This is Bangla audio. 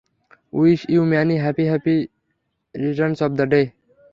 Wish you many many happy returns of the day.